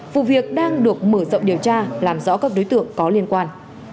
vụ việc đang được mở rộng điều tra làm rõ các đối tượng có liên quan